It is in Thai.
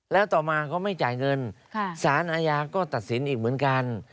แล้วต่อมาเขาไม่จ่ายเงินสารอาญาก็ตัดสินอีกเหมือนกัน